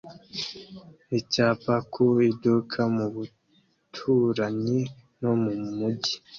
Icyapa ku iduka mu baturanyi no mu mijyi